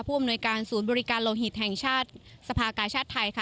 อำนวยการศูนย์บริการโลหิตแห่งชาติสภากาชาติไทยค่ะ